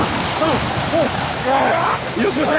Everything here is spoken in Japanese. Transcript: よこせ！